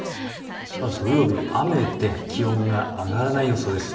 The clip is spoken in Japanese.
まず土曜日は雨で気温が上がらない予想です。